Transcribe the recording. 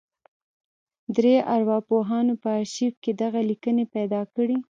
درې ارواپوهانو په ارشيف کې دغه ليکنې پیدا کړې.